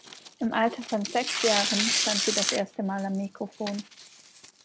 Im Alter von sechs Jahren stand sie das erste Mal am Mikrofon.